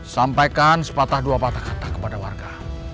sampaikan sepatah dua patah kata kepada warga